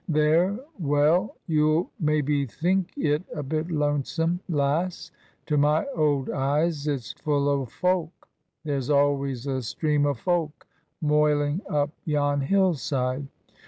There. Well ! You'll maybe think it a bit lonesome ? Lass ! To my old eyes it's full o' folk. There's always a stream o' folk moiling up yon hill side.